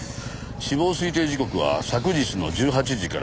死亡推定時刻は昨日の１８時から２０時頃。